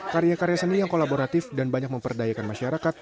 karya karya seni yang kolaboratif dan banyak memperdayakan masyarakat